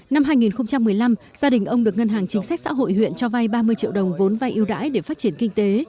năm hai nghìn một mươi năm gia đình ông được ngân hàng chính sách xã hội huyện cho vay ba mươi triệu đồng vốn vai yêu đãi để phát triển kinh tế